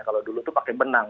kalau dulu itu pakai benang